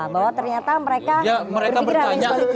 bahwa ternyata mereka berpikiran lain sebaliknya